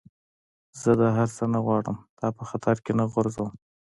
زه دا هر څه نه غواړم، تا په خطر کي نه غورځوم.